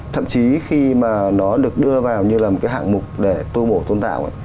thậm chí khi mà nó được đưa vào như là một cái hạng mục để tu bổ tôn tạo